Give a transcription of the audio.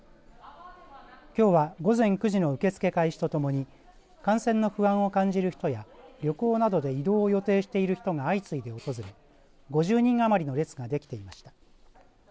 きょうは午前９時の受け付け開始とともに感染の不安を感じる人や旅行などで移動を予定している人が相次いで訪れ５０人余りの列ができていました。